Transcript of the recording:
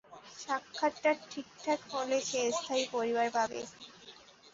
সাক্ষাৎটা ঠিকঠাক হলে, সে স্থায়ী পরিবার পাবে।